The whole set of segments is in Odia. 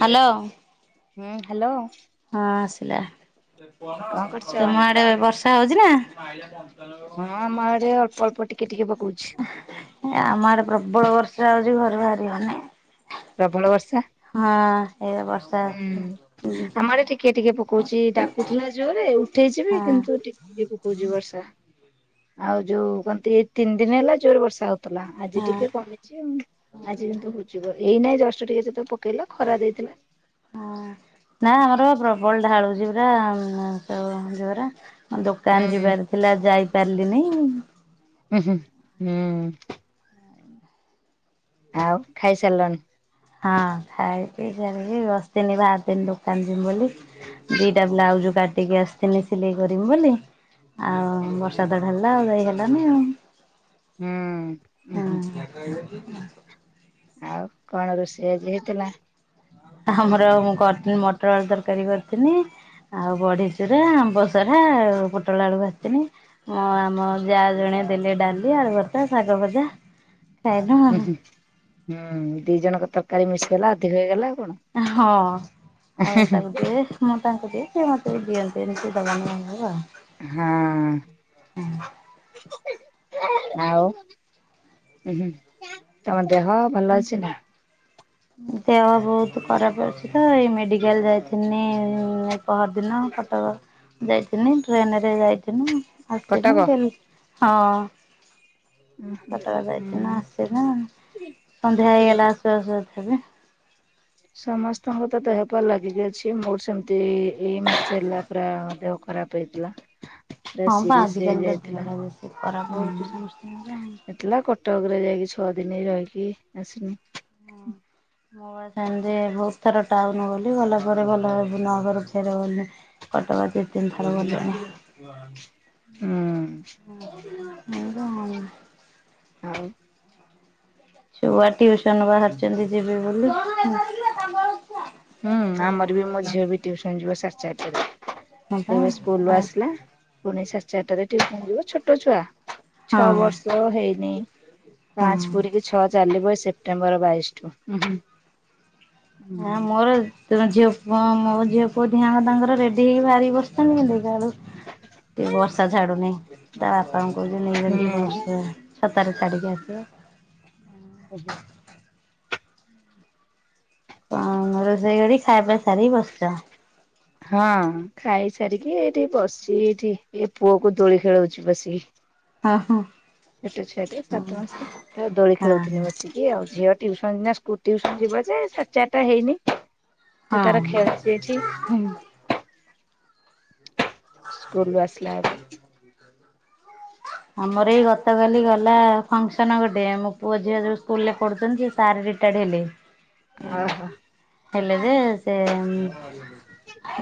ହାଲୋ। ହୁଁ, ହାଲୋ। ହଁ ଆସିଲା କଣ କରୁଛ? ତମ ଆଡ଼େ ବର୍ଷା ହଉଛି ନା। ହଁ ଆମ ଆଡ଼େ ଅଳ୍ପ ଅଳ୍ପ ଟିକେ ଟିକେ ପକଉଛି। ଏ ଆମ ଆଡ଼େ ପ୍ରବଳ ବର୍ଷା ହଉଛି ଘରୁ ବାହାରି ହଉନି। ପ୍ରବଳ ବର୍ଷା। ହଁ। ଏଇବା ବର୍ଷା। ହୁଁ ହଁ ଆମ ଆଡେ ଟିକେ ଟିକେ ପକଉଛି ଡାକୁଥିଲା ଜୋରରେ ଉଠେଇଛିି ବି କିନ୍ତୁ ହଁ ଟି ଟିକେ ପକଉଛି ବର୍ଷା ଆଉ ଯୋଉ କଁ ତି ଏଇ ତିନି ଦିନ ହେଲା ଜୋରେ ବର୍ଷା ହଉ ହଉଥିଲା ଆଜି ଟିକେ କମିଛି ଆଜି କିନ୍ତୁ ହଉଚି ଏଇନା ଜଷ୍ଟ ଟିକେ ତ ପ ପକେଇଲା ଖରା ଦେଇଥିଲା। ହଁ, ନା ଆମର ବା ପ୍ରବଳ ଢାଳୁଛି ପୁରା ସେ ଜୋରରେ। ଦୋକାନ ହୁଁ ଯିବାର ଥିଲା ଯାଇ ପାରିଲିନି। ଉଁ, ହୁଁ, ହୁଁ। ଆଉ ଖାଇସାରିଲଣି। ହଁ ଖାଇକି ଜଲଦି ବସିଥିଲି ବାହାରିଥିଲି ଦୋକାନ ଯିବି ବୋଲି। ଦିଟା ବ୍ଲାଉଜ କାଟିକି ଆସିଥିନି ସିଲେଇ କରିମି ବୋଲି। ଆଉ ହୁଁ ବର୍ଷାତ ଢଳିଲା ଆଉ ଯାଇ ହେଲାନି ଆଉ। ହୁଁ, ଉ ହୁଁ। [unintelligible] ଆଉ କଣ ରୋଷେଇ ଆଜି ହେଇଥିଲା? ଆମର ମୁଁ କରିଥିନା ମଟର, ଆଳୁ ତରକାରୀ କରିଥିନି। ଆଉ ବଢିଚୂୁରା, ଆମ୍ବ ସଢା, ପୋଟଳ ଆଳୁ ଭାଜି ଥିନି। ମୋ ଆମ ଯାଆ ଜଣେ ଦେଲେ ଡ଼ାଲି, ଆଳୁ ଭର୍ତ୍ତା, ଶାଗ ଭଜା। ଖାଇନୁ ହୁଁ, ଆଉ। ହୁଁ, ହୁଁ ଦି ଜଣଙ୍କ ତରକାରୀ ମିଶିଗଲା ଅଧିକ ହେଇଗଲା ଆଉ କଣ। ହଁ ଆଉ ମୁଁ ତାକୁ ଦିଏ। ମୁଁ ତାଙ୍କୁ ଦିଏ ସେ ମତେ ବି ଦିଅନ୍ତି ଏମିତି ଦେବା ନେବା ଆଉ। ହଁ, ଆଉ। ହୁଁ ତମ ଦେହ ଭଲ ଅଛି ନା। ଦେହ ବହୁତ ଖରାପ ଅଛି ତ ଏଇ ମେଡ଼ିକାଲ ଯାଇଥିନି। ପହର ଦିନ କଟକ ଯାଇଥିନି ଟ୍ରେନ ରେ ଯାଇଥିନି କଟକ? ଆସିିନି। ହଁ। କଟକ ଯାଇକି ହୁଁ ନା ଆସିଲୁ ସନ୍ଧ୍ୟା ହେଇଗଲା ଆସୁ ଆସୁ। ସମସ୍ତଙ୍କ ତ ଦେହ ପା ଲାଗିିକି ଅଛି ମୋର ସେମିତି ଏଇ ମା ସେ ହେଲା ପରା ଦେହ ଖରାପ ହେଇଥିଲା। ପୁରା ହଁ ପା ସିରିଏସ୍ ଆଜିକାଲି ବା ଦେହ ଟା ହେଇଯାଇଥିଲା ଖରାପ ବେଶୀ ଖରାପ ହଉଛି ସମସ୍ତିଙ୍କର। ଥିଲା କଟକରେ ଯାଇକି ଛଅ ଦିନ ରହିକି ଆସିନି। ହୁଁ। ମୁଁ ସେମିତି ବହୁତ ଥର ଟାଉନ ଗଲି ଗଲା ପରେ ଭଲ ନହେବାରୁ ଫେରେ ଗଲି। କଟବ ଦି ତିନ ଥର ଗଲିଣି। ହୁଁ [unintelligible] ଆଉ ଛୁଆ ଟ୍ୟୁସନ ବାହାରିଛନ୍ତି ଯିବେ ବୋଲି। ହୁଁ ଆମର ବି ମୋ ଝିଅ ବି ଟ୍ୟୁସନ ଯିବ ସାଢ଼େ ହଁ ପା ଚାରିଟାରେ। ଏବେ ସ୍କୁଲ ରୁ ହଁ ଆସିଲା। ପୁଣି ସାଢେ ଚାରିଟାରେ ଟ୍ୟୁସନ ଯିବ ଛୋଟ ଛୁଆ ଛଅ ହଁ। ବର୍ଷ ହେଇନେ। ପାଞ୍ଚ ପୁରି କିି ଛଅ ଚାଲିବ ଏ ସେପ୍ଟେମ୍ବର ବାଇଶି ଠୁ। ଉହୁଁ ନାଁ ମୋର ଜୁ। ତମ ଝିଅ ପୁଅ ମୋ ଝିଅ ପୁଅ ଦିହେଁଙ୍କ ତାଙ୍କର ରେଡି ହେଇକି ବାହାରିକି ବସିଥାନ୍ତି କିନ୍ତୁ ଦେଖିଲାବେଳ କୁ ଟିକେ ବର୍ଷା ଛାଡ଼ୁନି ତା ବାପାଙ୍କୁ କହୁଥିଲି ନେଇ ଯାଆବି ଟିକେ ଛତାରେ ଛାଡ଼ିକି ଆସିବ। ହୁଁ ହୁଁ। କଣ ରୋଷେଇ କରି ଖା ପିଅ ସାରିକି ବସିଛ? ହଁ ଖାଇସାରିକି ଏଇଠି ବସଚି ଏଠି ଏ ପୁଅ କୁ ଦୋଳି ଖେଳଉଛି ବସିକି। ହ ହଁ। ଛୋଟ ଛୁଆ ଟି ସାତ ମାସ ତା ଦୋଳି ହଁ ଖେଳଉଥିଲି ବସିକି। କି ଆଉ ଝିଅ ଟ୍ୟୁସନ ଯା ସ୍କୁଲ ଟ୍ୟୁସନ ଯିବ ଯେ ସାଢ଼େ ଚାରିଟା ହେଇନି। ସେ ହଁ। ତାର ଖେଳୁଛି ଏଠି। ହୁଁ ସ୍କୁଲରୁ ଆସିଲ ଆଜି। ଆମର ଏଇ ଗତକାଲି ଗଲା ଫଙ୍କସନ ଗୋଟେ ମୋ ପୁଅ ଝିଅ ଯୋଉ ସ୍କୁଲ ରେ ପଢ଼ୁଛନ୍ତି ସାର ରିଟାୟାର୍ଡ ହେଲେ। [inaudible] ଅ ହ। ହେଲେ ଯେ ସେ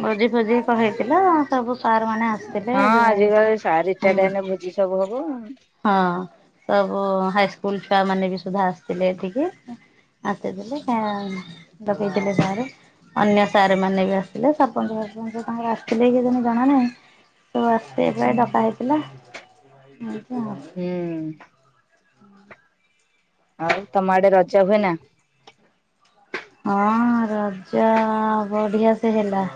ଭୋଜି ଫୋଜି କ ହେଇଥିଲା। ସବୁ ସାର ମାନେ ଆସିଥିଲେ ଜୁଆଁଇ ଜି ସବୁ ହବୁ। ହଁ ସବୁ ହାଇସ୍କୁଲ ଛୁଆ ମାନେ ବି ସୁଦ୍ଧା ଆସିଥିଲେ ଏଠିକି। ଆସିଥିଲେ କେଁଦଭେଟିଲେ ସାର୍। ଅନ୍ୟ ସାର ମାନେ ବି ଆସିଲେ ସରପଞ୍ଚ ହେରିକା ତାଙ୍କର ଆ ସିଲେଇକିକିନ୍ତୁ ଜଣା ନାହିଁ ତୁ ଆସବେ ଡକା ହେଇଥିଲା। ଆପ୍। ହୁଁ ଆଉ ତମ ଆଡେ ରଜ ହୁଏ ନା। ହଁ ରଜ ବଢିଆ ସେ ହେଲା।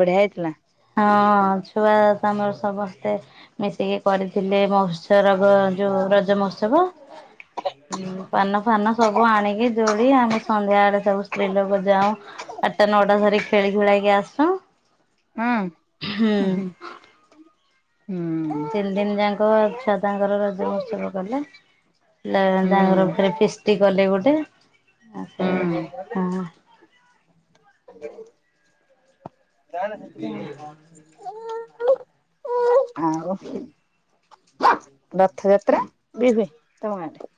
ବଢିଆ ହେଇଥିଲା। ହଁ ଛୁଆ ତମର ସମସ୍ତେ ମିଶିକି କରିଥିଲେ ମହୋତ୍ସ ରବ ଯୋଉ ରଜ ମହୋତ୍ସବ। ପାନ ଫାନ ସବୁ ଆଣିକି ଦୋଳି ଆମେ ସନ୍ଧ୍ୟା ଆଡେ ସବୁ ସ୍ତ୍ରୀ ଲୋକ ଯାଉଁ। ଆଠଟା ନଅଟା ଧରି ଖେଳି ଖୁଳା କି ଆସୁଉ। ହଁ। ହୁଁ। ହୁଁ। ତିନି ଦିନ ଯାକ ଛୁଆ ତାଙ୍କର ରଜ ମହୋତ୍ସବ କଲେ। ହୁଁ ତାଙ୍କର ଫରେ ହୁଁ। ଫିଷ୍ଟି କଲେ ଗୋଟେ। ହେଟୁ ହଁ। ହ [unintelligible] ଆଉ ରଥଯାତ୍ରା ବି ହୁଏ ତମ ଆଡ଼େ।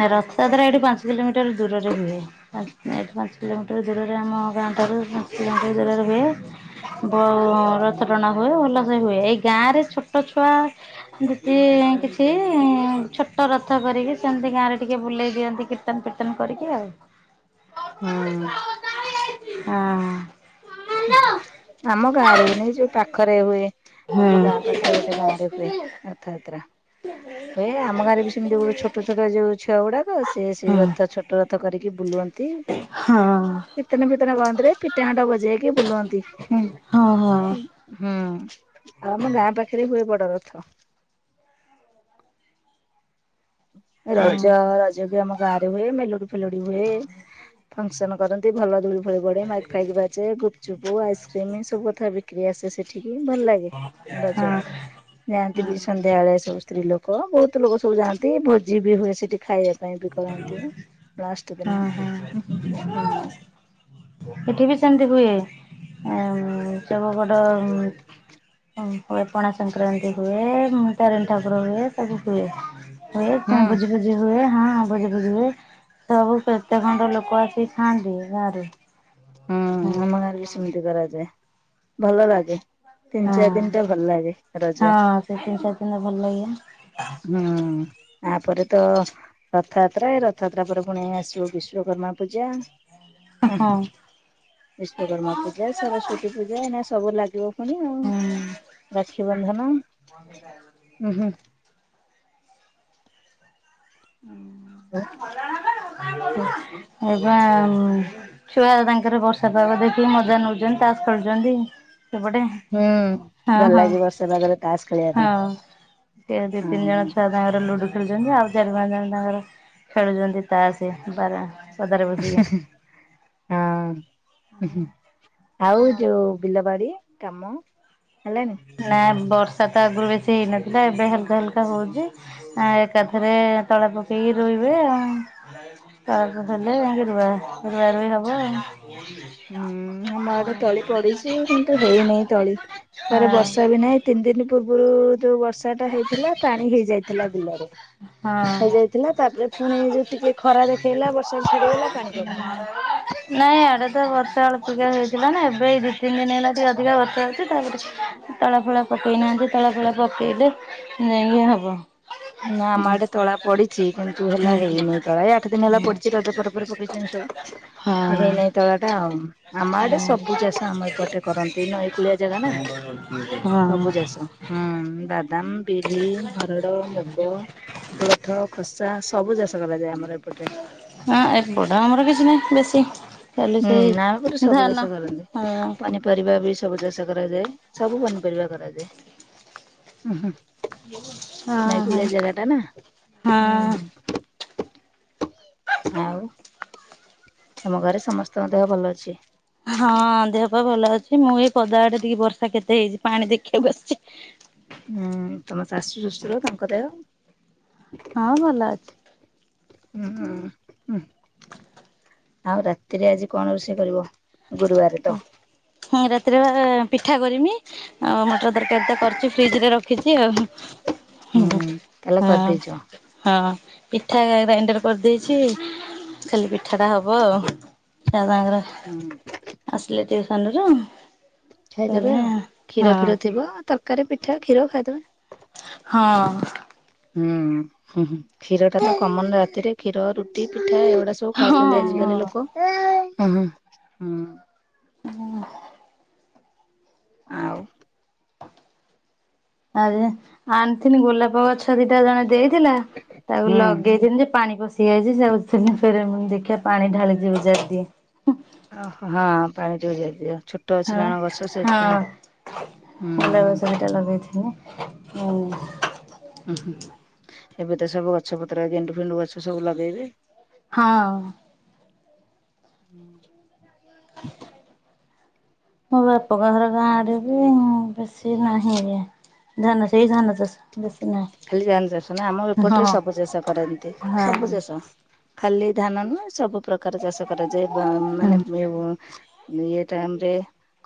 ନା ରଥ ଯାତ୍ରା ଏଇଠି ପାଞ୍ଚ କିଲୋମିଟର ଦୂରରେ ହୁଏ। ଏଠି ପାଞ୍ଚ କିଲୋମିଟର ଦୂରରେ ଆମ ଗାଁ ଠାରୁ ପାଞ୍ଚ କିଲୋମିଟର ଦୂରରେ ହୁଏ। ବ ରଥ ଟଣା ହୁଏ ଭଲ ସେ ହୁଏ ଏଇ ଗାଁ ରେ ଛୋଟ ଛୁଆ [unintelligible] କିଛି ଛୋଟ ରଥ କରିକି ସେମିତି ଗାଁ ରେ ଟିକେ ବୁଲେଇ ଦିଅନ୍ତି କୀର୍ତ୍ତନ ଫୀର୍ତ୍ତନ କରିକି ଆଉ ହୁଁ। ହଁ। ଉ ହୁଁ ଆମ ଗାଁରେ ହୁଏନି ଯୋଉ ପାଖରେ ହୁଏ। ଆମ ଗାଁ ହୁଁ ପାଖରେ ଗୋଟେ ଗାଁ ରେ ହୁଏ ରଥଯାତ୍ରା। ହୁଏ ଆମ ଗାଁରେ ବି ସେମିତି ଗୋଟେ ଛୋଟ ଛୋଟ ଯୋଉ ଛୁଆ ଗୁଡାକ ସେଇ ହଁ ରଥ ଛୋ ଛୋଟ ରଥ କରିକି ବୁଲ କରନ୍ତି, ହଁ ହଁ। କୀର୍ତ୍ତନ ଫୀର୍ତନ କରନ୍ତିରେ ପିଠା ହାଣ୍ଟ ବଜେଇକି ବୁଲନ୍ତି। ହଁ, ହୁଁ ଆଉ ଆମ ଗାଁ ପାଖରେ ହୁଏ ବଡ ରଥ। ରଜ, ରଜ ବି ଆମ ଗାଁ ରେ ହୁଏ। ମେଲୋଡି ଫେଲୋଡି ହୁଏ। ଫେଶନ କରନ୍ତି ଭଲ ଧୁଳି ବଜାର ମାଇକ ଫାଇକ ବାଜେ ଗୁପଚୁପ ଆଇସ୍କ୍ରିମ ସବୁ କଥା ବିକ୍ରି ଆସେ ସେଠିକି ଭଲ ଲାଗେ। ହଁ ରଜରେ। ଯାଆନ୍ତି ବି ସନ୍ଧ୍ୟାବେଳେ ସବୁ ସ୍ତ୍ରୀ ଲୋକ ବହୁତ ଲୋକ ସବୁ ଯାଆନ୍ତି ଭୋଜି ବି ହୁଏ ସେଠି ଖାଇବାକୁ ପାଇଁ ବି କରନ୍ତି ଲାଷ୍ଟ ହଁ ଦିନ ହଁ ହୁଁ ଏଠି ବି ସେମିତି ହୁଏ, ସବୁ ବଡ ହଁ, ହୁଏ ପଣା ସଂକ୍ରାନ୍ତି ହୁଏ। ତାରିଣୀ ଠାକୁର ହୁଏ ସବୁ ହୁଏ। ହୁଏ ହୁଁ କଣ ଭୋଜି ବୁଝି ହୁଏ ହଁ ହଁ, ଭୋଜି ଫୋଜି ହୁଏ। ସବୁ କେତେ ଖଣ୍ଡ ଲୋକ ଆସି ଖାଆନ୍ତି ଗାଁରେ। ହୁଁ, ଆମ ଗାଁରେ ବି ସେମିତି କରାଯାଏ। ଭଲ ଲାଗେ। ତିନି ହଁ ଚାରି ଦିନଟା ଭଲ ଲାଗେ ରଜ ହଁ ସେ ତିନି ଚାରି ଦିନ ଭଲ ଲାଗେ ହୁଁ, ତାପରେ ତ ରଥଯାତ୍ରା ଏ ରଥଯାତ୍ରା ପରେ ପୁଣି ଆସିବ ବିଶ୍ଵକର୍ମା ପୂଜା। ହଁ। ବିଶ୍ୱକର୍ମା ପୂଜା, ସରସ୍ଵତୀ ପୂଜା ଏଇନା ସବୁ ଲାଗିବ ପୁଣି ଆଉ ହୁଁ ରାକ୍ଷୀବନ୍ଧନ ଉଁ [inaudible] ହୁଁ [inaudible] ଛୁଆ ତାଙ୍କର ବର୍ଷା ପାଗ ଦେଖି ମଜା ନଉଛନ୍ତି ତାସ ଖେଳୁଛନ୍ତି ସେପଟେ ହୁଁ ଭଲ ଅହଁ, ହଁ, ଲାଗେ ବର୍ଷେ ପାଗରେ ତାସ ଖେଳିବା ପାଇଁ ହଁ ଟିକେ ଦି ତିନି ଜଣ ଛୁଆ ତାଙ୍କର ଲୁଡୁ ଖେଳୁଛନ୍ତି। ଆଉ ଚାରି ପାଞ୍ଚ ଜଣ ତାଙ୍କର ଖେଳୁଛନ୍ତି ତାସ ପରା ହଁ। ଆଉ ଯୋଉ ବିଲ ବାଡି କାମ ହେଲାଣି? ନା ବର୍ଷା ତ ଆଗରୁ ବେଶୀ ହେଇନଥିଲା, ଏବେ ହାଲକା ହାଲକା ହଉଛି। ଆଇଁ ଏକାଥରେ ତଳେ ପକେଇକି ରୋଇବେ ଆଉ ତଳକୁ ଦେଲେ ରୁଆ ରୁଆ ରୁଈ ହବ। ହୁଁ, ଆମ ଆଡେ ତଳି ପଡିଛି କିନ୍ତୁ ହେଇନାହିଁ ତଳି ଥରେ ହଁ ବର୍ଷା ବି ନାହିଁ। ତିନି ଦିନ ପୂର୍ବରୁ ଯୋଉ ବର୍ଷାଟା ହେଇଥିଲା ପାଣି ହେଇଯାଇଥିଲା ବିଲରେ। ହଁ। ଥିଲା ତାପରେ ପୁଣି ଯୋଉ ଟିକେ ଖରା ଦେଖେଇଲା ବର୍ଷା ଛାଡିଗଲା ପାଣି କମିଗଲା ନାଇଁ ଆଡେ ତ ବର୍ଷା ହେରିକା ଟିକା ହେଇଥିଲା ନା ଏବେ ଦି ତିିନି ଦିନ ହେଲା ଟିକେ ଅଧିକା ବର୍ଷା ହେଉଛି ତାପରେ ତଳା ଫଳା ପକେଇନାହାନ୍ତି ତଳା ଫଳା ପକେଇଲେ ଯାଇକି ହବ। ନା ଆମ ଆଡେ ହୁଁ ତଳା ପଡିଛି କିନ୍ତୁ ହେଲା ହୁଁ। ହେଇନି ତଳା ଆଠ ଦିନ ହେଲା ପଡିଛି ହଁ ରଜ ପରେ ପରେ ପକେଇଛନ୍ତି ସବୁ ହଁ ହେଇନାଇଁ ତଳାଟା ଆଉ ଆମ ଆଡେ ସବୁ ଚାଷ ଆମ ଏପଟେ କରନ୍ତି ନଈ କୂଳିଆ ଜାଗା ନା ହଁ ସବୁ ଚାଷ ହୁଁ, ବାଦାମ, ବିରି, ହରଡ଼, ମୁ ଗ କୋଳଥ, ଖସା, ସବୁ ଚାଷ କରାଯାଏ ଆମର ଏପଟେ। ହଁ ଏପଟେ ଆମର କିଛି ନାହିଁ ବେଶୀ। ଖାଲି ହୁଁ ସେଇ ନାପରେ ସବୁ ଧାନ ଚାଷ କରନ୍ତି ହଁ ହଁ ପନି ପନିପରିବା ବି ସବୁ ଚାଷ କରାଯାଏ ସବୁ ପନିପରିବା କରାଯାଏ ଉ ହୁଁ। ହଁ ନଇକୁଳିଆ ଜାଗାଟା ନା ହଁ ହୁଁ। ଆଉ। ଆମ ଘରେ ସମସ୍ତଙ୍କ ଦେହ ଭଲ ଅଛି। ହଁ ଦେହପା ଭଲ ଅଛି ମୁଁ ଏଇ ପଦା ଆଡେ ଟିକେ ବର୍ଷା କେତେ ହେଇଛି ପାଣି ଦେଖିବାକୁ ଆସିଚି। ହୁଁ ତମ ଶାଶୁ ଶ୍ୱଶୁର ତାଙ୍କ ଦେହ? ହଁ ଭଲ ଅଛି। ହୁଁ ଉହୁଁ। ଆଉ ରାତିରେ ଆଜି କଣ ରୋଷେଇ କରିବ ଗୁରୁବାରେ ତ? ହଁ ରାତିରେ ପା ପିଠା କରିମି। ଆଉ ମଟର ତରକାରୀ ତ କରୁଛି ଫ୍ରିଜରେ ରଖିଛି ଆଉ। ହୁଁ ତାହେଲେ ହଁ। କରିଦେଇଛ ହଁ ପିଠା ଗ୍ରାଇଣ୍ଡର କରିଦେଇଛି। ଖାଲି ପିଠାଟା ହବ ଆଉ ତା ସାଙ୍ଗରେ ହୁଁ। ଆସିଲେ ଟିଉସନରୁ? ଖାଇଦେବେ ଆଉ କ୍ଷୀର ଫିର ଥିବ ତରକାରୀ ପିଠା କ୍ଷୀର ଖାଇଦେବେ। ହଁ। ହୁଁ ହୁଁ ହୁଁ କ୍ଷୀରଟା ତ କମନ ରାତିରେ କ୍ଷୀର ରୁଟି ପିଠା ଏଗୁଡା ସ ସବୁ ହଁ ଖାଉଛନ୍ତି ହଁ ଆଜିକାଲି ଲୋକ ଉହୁଁ ହୁଁ। ହୁଁ। ଆଉ। ଆରେ ଆଣିଥିନି ଗୋଲାପ ଗଛ ଦିଟା ଜଣେ ଦେଇ ଥିଲା ତାକୁ ହୁଁ। ଲଗେଇଥିଲି ଯେ ପାଣି ପ ଦେଖି ଆଇଛି ଯାଉଥିନି ଫେରେ ମୁଁ ଦେଖିବା ପାଣି ଢାଳିଦିଏ ଓଜାଡ଼ିଦିଏ। ଓ ହଁ ପାଣି ଟିକେ ଓଜାଡ଼ିଦିଅ ଛୋ ହଁ ହଁ ମୁଲ ହୁଁ। ବେସନଟା ଲଗେଇଥିନି ଉଁ ଉୁଁ ହୁଁ ଏବେ ତ ସବୁ ଗଛ ପତ୍ର ଗେଣ୍ଡୁ ଫେଣ୍ଡୁ ଗଛ ସବୁ ଲଗେଇବେ। ହଁ। ହୁଁ ଆଛା [inaudible] ମୋ ବାପା କ ଘର ଗାଁ ଆଡେ ବି ହଁ ବେଶୀ ହଁ ହେୟା। ଧାନ ସେଇ ଧାନ ଚାଷ ବେଶି ନାହିଁ। ଖାଲି ଧାନ ଚାଷ ନୁହୁଁ ଆମ ଏପଟରେ ସବୁ ହଁ ଚାଷ କରନ୍ତି ହଁ ସବୁ ଚାଷ। ଖାଲି ଧାନ ନୁହଁ ସବୁ ପ୍ରକାର ଚାଷ କରାଯାଏ ଭା ହଁ ମାନେ ଇଏ ଟାଇମରେ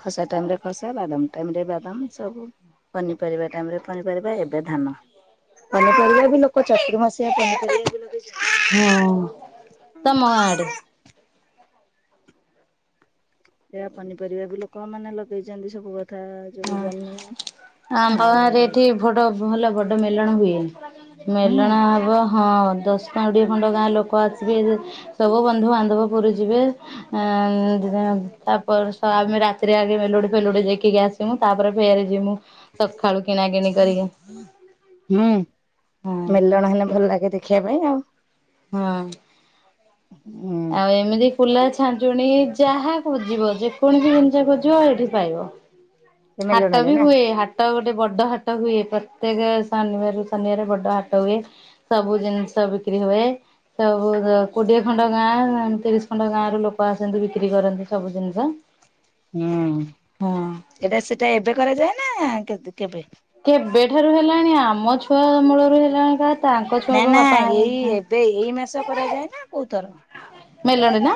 ଖସା ଟାଇମରେ ଖସା ବାଦାମ ଟାଇମରେ ବାଦାମ ସବୁ। ପନିପରିବା ଟାଇମ ରେ ପନିପରିବା ଏବେ ଧାନ। ପନିପରିବା ବି ଲୋକ ଚତୁର୍ମାସିଆ ପନିପରିବା ବି ଲଗେଇ ଛନ୍ତି। ହଁ ତମ ଗାଁ ଆଡେ। ସେଇ ପନିପରିବା ବି ଲୋକ ମାନେ ଲଗେଇଛନ୍ତି ସବୁ କଥା। ଯୋଉ ହ ଜହ୍ନି ଆମ ଆଉ ବାରେ ଯୋଉ ଏଠି ବଡ ଭଲ ବଡ ମେଲଣ ହୁଏ। ହୁଁ ମେଲଣା ହବ ହଁ ଦଶଟା କୋଡ଼ିଏ ଖଣ୍ଡ ଗାଁ ଲୋକ ଆସିବେ ସବୁ ବନ୍ଧୁ ବାନ୍ଧବ ପୁରୀ ଯିବେ ଅ ଉ ତାପ ଆମେ ରାତିରେ ଆଗେ ମେଲୁଡି ଫେଲୁଡି ଦେଖିକି ଆସ ମୁଁ ତାପରେ ଫେରେ ଯିମୁ ସକାଳୁ କିଣା କିିଣି କରିକି ହୁଁ ହଁ ମେଲଣ ହେଲେ ଭଲ ଲାଗେ ଦେଖିବା ପାଇଁ ଆଉ ହଁ ହୁଁ ଆଉ ଏମିତି କୁଲା ଛାଞ୍ଚୁଣୀ ଯାହା ଖୋଜିବ ଯେକୌଣସି ଜିନିଷ ଖୋଜିବ ଏଇଠି ପାଇବ ସେ ହାଟ ମେଲଣରେ ବି ନା ହୁଏ ହା ଟ ଗୋଟେ ବଡ ହାଟ ହୁଏ ପ୍ରତ୍ୟେକ ଶନିବାର ରୁ ଶନିବାର ବଡ ହାଟ ହୁଏ। ସବୁ ଜିନିଷ ବିକ୍ରି ହୁଏ ସବୁ କୋଡିଏ ଖ ଣ୍ଡ ଗାଁ ତିରିଶ ଖଣ୍ଡ ଗାଁ ର ଲୋକ ଆସନ୍ତି ବିକ୍ରି କରନ୍ତି ସବୁ ଜିନିଷ। ହୁଁ ହଁ ଏଟା ସେଟା ଏବେ କରାଯାଏ ନା କେ କେବେ? କେବେ ଠାରୁ ହେଲାଣି ଆମ ଛୁଆ ଅମଳରୁ ହେଲାଣି କାହା। ନା ନା ଏଇ ଏବେ ଏଇ ମାସ କରାଯାଏ ନା କୋଉ ଥର। ମେଲଣ ନା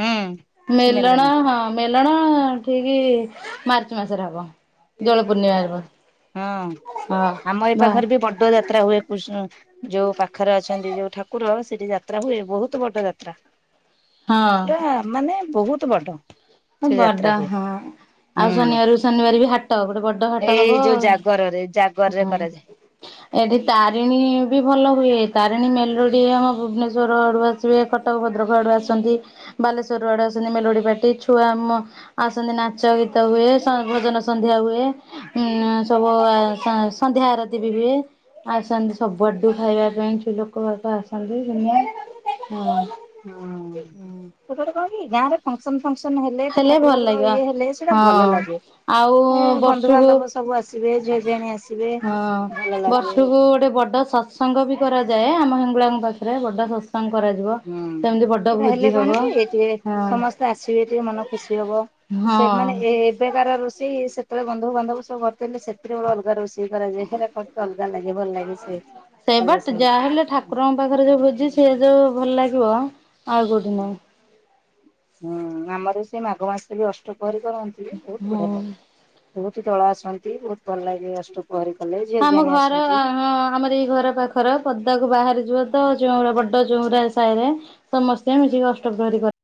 ହୁଁ ସେ ମେଲଣ ହଁ। ମେଲଣ ଠିକି ମାର୍ଚ୍ଚ ମାସରେ ହବ। ଦୋଳ ପୂର୍ଣ୍ଣିମା ଓହୋ ହବ ହଁ ଆମ ଏ ହଁ ପାଖରେ ବି ବଡ ଯାତ୍ରା ହୁଏ। କୁର୍ଶ୍ନ ଯୋଉ ପାଖରେ ଅଛନ୍ତି ଯୋଉ ଠାକୁର ସେଠି ଯାତ୍ରା ହୁଏ ବହୁତ ବଡ ଯାତ୍ରା। ହଁ। ପୁରା ମାନେ ବହୁତ ବଡ।। ସେ ଯାତ୍ରା ବଡ ହୁଏ। ହଁ ଆଉ ହୁଁ ଶନିବାର ଶନିବାର ବି ହାଟ ଗୋଟେ ବଡ। ହୋଟ ହାଟ ଏଇ ହବ ଯୋଉ ଆଉ ଜାଗରରେ ଜାଗରରେ ହୁଁ। କରାଯାଏ। ଏଠି ତାରିଣୀ ବି ଭଲ ହୁଏ ତାରିଣୀ ମେଲୋଡି ଆମ ଭୁବନେଶ୍ଵର ହଡୁଆ ଆ କଟକ ଭଦ୍ରକ ଆଡୁ ଆସନ୍ତି ବାଲେଶ୍ଵରରୁ ଆଡୁ ଆସନ୍ତି ମେଲୋଡି ପାଟି। ଛୁଆ ଆମ ଆସନ୍ତି ନାଚ ଗୀତ ହୁଏ ସ ଭଜନ ସନ୍ଧ୍ୟା ହୁଏ। ଉଁ ସବୁ ସ ସନ୍ଧ୍ୟା ଆରତି ବିି ହୁଏ। ଆସନ୍ତି ସବୁଆଡୁ ଖାଇବା ପାଇଁଛୁ ଲୋକ ବାକ ଆସନ୍ତି ଦୁନିଆ ହ। ହୁଁ କ ଯଁ। [unintelligible] ଫଙ୍କସନ ଫଙ୍କସନ ହେଲେ କି ଠାକୁର ଭଲ ପାକୁର ଲାଗିବ ଇଏ ହେଲେ ସେଇଟା ଭଲ ହଁ ଲାଗେ। ଆଉ ଏ ବର୍ଷକୁ ବନ୍ଧୁବାନ୍ଧବ ସବୁ ଆସିବେ ଝିଅ ଝିଆଣି ଆସିବେ ଭଲ ଲାଗେ। ସେକୁ ଗୋଟେ ବଡ଼ ସତ୍ସଙ୍ଗ ବି କରାଯାଏ ଆମ ହେଙ୍ଗୁଳାଙ୍କ ପାଖରେ ବଡ଼ ସତ୍ସଙ୍ଗ। କଙ୍ଗ କରାଯିବ ହୁଁ ସେମିତି ବଡ ସେଟା ହେଲେ ଭୋଜି କଣ ହବ କି ଟିକେ ହଁ। ସମସ୍ତେ ଆସିବେ ଟିକେ ମନ ଖୁସି ହବ ସେମାନେ ହଁ। ଏ ଏବେକାର ରୋଷେଇ। ସେତେବେଳେ ବନ୍ଧୁ ବାନ୍ଧବ ସବୁ ଭର୍ତ୍ତି ହେଲେ ସେଥିରେ ଗୋଟେ ଅଲଗା ରହୁଛି। ଯେ ସେ କ ଅଲଗା ଲାଗିବ ଭଲ ଲାଗି ସେ ସେଇ ବା କଲେ ସେ ଯାହାହେଲେ ଠାକୁରଙ୍କ ପାଖରେ ଯେଉଁ ଭୋଜି ସିଏ ଯେଉଁ ଭଲ ଲାଗିବ ଆଉ କେଉଁଠି ନାହିଁ। ହୁଁ ଆମର ସେ ମାଘ ମାସରେ ବି ଅଷ୍ଟପହରୀ କରନ୍ତି। ବହୁତ ବଢିଆ ହଁ। ଲାଗେ ବହୁତ ଦଳ ଆସନ୍ତି ବହୁତ ଭଲ ଲାଗେ ଅଷ୍ଟପହରୀ କଲେ। ଝିଅ ଆମ ଝିଆଣି ଘର ଆସନ୍ତି। ହଁ ଆମର ଏଇ ଘର ପାଖରେ। ର ପଦାକୁ ବାହାରି ଯିବ ତ ଚଉୁରା ବଡ ଚଉୁରା ସାହି ରେ ସମସ୍ତେ ମିଶିକି ଅଷ୍ଟପହରି କର